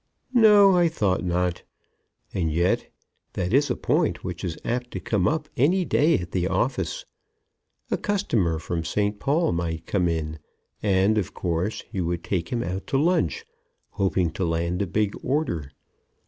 No, I thought not. And yet that is a point which is apt to come up any day at the office. A customer from St. Paul might come in and, of course, you would take him out to lunch, hoping to land a big order.